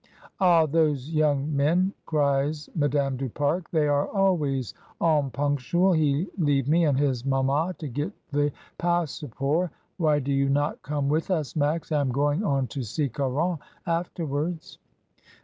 "Ah! those yong men!" cries Madame du Pare, "they are always onpunctual; he leave me and his mamma to get the passeports. Why do you not come with us, Max? I am going on to see Caron afterwards."